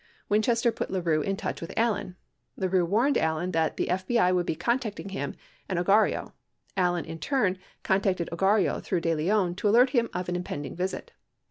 Winchester put La Rue in touch with Allen. La Rue warned Allen that the FBI would be contacting him and Ogarrio. Allen, in turn, con tacted Ogarrio through He Leon to alert him of an impending visit.